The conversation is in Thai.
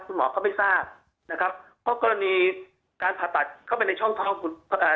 คุณหมอก็ไม่ทราบนะครับเพราะกรณีการผ่าตัดเข้าไปในช่องท้องคุณอ่า